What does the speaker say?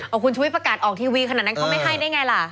เอาคุณชุวิตประกาศออกทีวีขนาดนั้นเขาไม่ให้ได้ไงล่ะ